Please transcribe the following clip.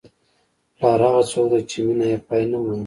پلار هغه څوک دی چې مینه یې پای نه مومي.